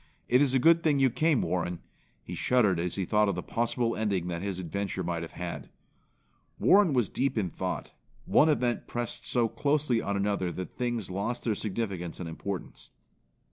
It is a good thing you came, Warren." He shuddered as he thought of the possible ending that his adventure might have had. Warren was deep in thought. One event pressed so closely on another that things lost their significance and importance.